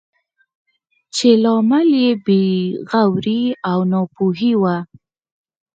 چې لامل یې بې غوري او ناپوهي وه.